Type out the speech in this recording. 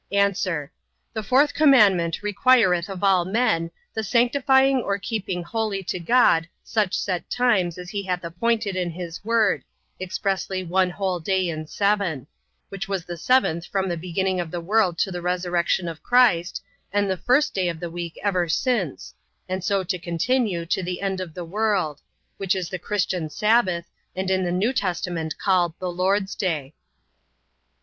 A. The fourth commandment requireth of all men the sanctifying or keeping holy to God such set times as he hath appointed in his word, expressly one whole day in seven; which was the seventh from the beginning of the world to the resurrection of Christ, and the first day of the week ever since, and so to continue to the end of the world; which is the Christian sabbath, and in the New Testament called The Lord's Day.